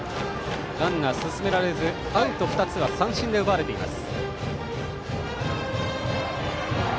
ランナー進められずアウト２つは三振で奪われています。